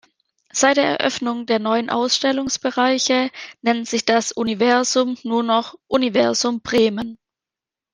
Seit der Eröffnung der neuen Ausstellungsbereiche nennt sich das Universum nur noch „Universum Bremen“.